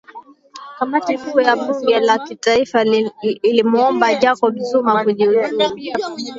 kamati kuu ya bunge la kitaifa ilimuomba jacob zuma kujiuzulu